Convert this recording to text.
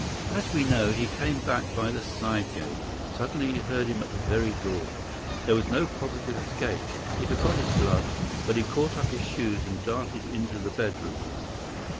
As we know, he came back by the side gate. Suddenly he heard him at the very door. There was no possible escape. He forgot his gloves, but he caught up his shoes and darted into the bedroom.